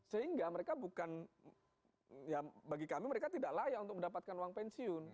sehingga mereka bukan ya bagi kami mereka tidak layak untuk mendapatkan uang pensiun